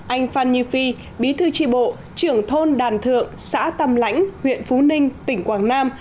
anh phan như phi bí thư tri bộ trưởng thôn đàn thượng xã tam lãnh huyện phú ninh tỉnh quảng nam